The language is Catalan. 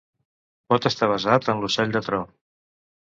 Pot estar basat en l'ocell de tro.